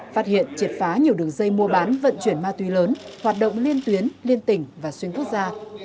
phát hiện triệt phá nhiều đường dây mua bán vận chuyển ma túy lớn hoạt động liên tuyến liên tỉnh và xuyên quốc gia